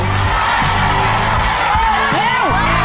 เยี่ยม